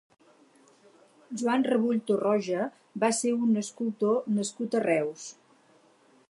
Joan Rebull Torroja va ser un escultor nascut a Reus.